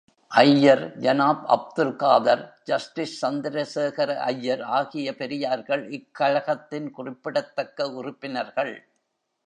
ஐயர், ஜனாப் அப்துல் காதர், ஜஸ்டிஸ் சந்திரசேகர ஐயர் ஆகிய பெரியார்கள், இக்கழகத்தின் குறிப்பிடத்தக்க உறுப்பினர்கள்.